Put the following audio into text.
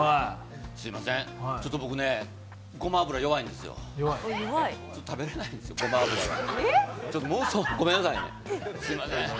すいません、ちょっと僕ねごま油弱いんですよ、食べれないんですよ、ごま油がごめんなさいね。